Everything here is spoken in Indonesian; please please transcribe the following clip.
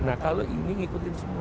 nah kalau ini ngikutin semua